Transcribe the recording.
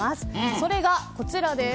それが、こちらです。